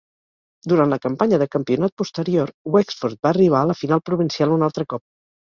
Durant la campanya de campionat posterior, Wexford va arribar a la final provincial un altre cop.